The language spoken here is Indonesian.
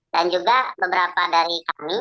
dan juga beberapa dari kami